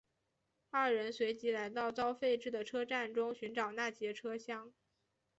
二人随即来到遭废置的车站中寻找那节车厢。